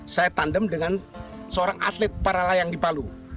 saya tandem dengan seorang atlet para layang di palu